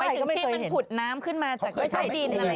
ถึงที่มันผุดน้ำขึ้นมาจากใต้ดินอะไร